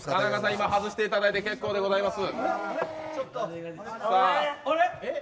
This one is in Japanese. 今、外していただいて結構でございます。